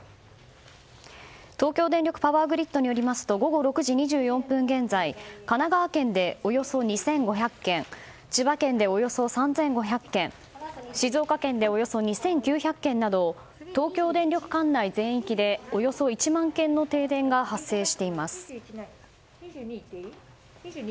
東京電力パワーグリッドによりますと午後６時２４分現在神奈川県でおよそ２５００軒千葉県でおよそ３５００軒静岡県でおよそ２９００軒など東京電力管内全域でおよそ１万軒の停電が発生しています。